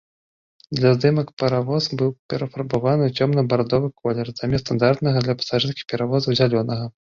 Для здымак паравоз быў перафарбаваны ў цёмна-бардовы колер, замест стандартнага для пасажырскіх паравозаў зялёнага.